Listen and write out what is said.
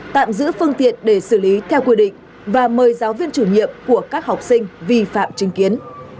tạm giữ phương tiện để xử lý theo quy định và mời giáo viên chủ nhiệm của các học sinh vi phạm trinh kiến